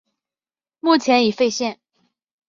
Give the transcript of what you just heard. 目前已废线。